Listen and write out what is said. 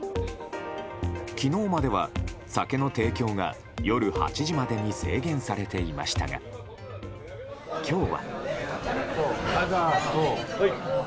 昨日までは酒の提供が夜８時までに制限されていましたが今日は。